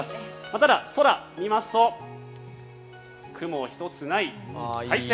ただ、空を見ますと雲一つない快晴。